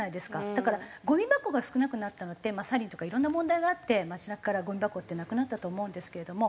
だからごみ箱が少なくなったのってまあサリンとかいろんな問題があって街なかからごみ箱ってなくなったと思うんですけれども。